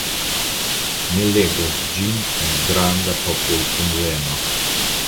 Mi legos ĝin en granda popolkunveno.